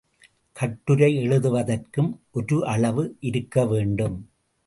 கட்டுரை எழுதுவதற்கும் ஒரு அளவு இருக்கவேண்டும்.